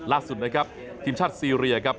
ล่าสุดนะครับทีมชาติซีเรียครับ